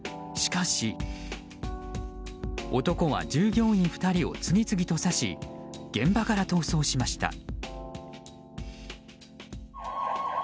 しかし、男は従業員２人を次々と刺し現場から逃走しました。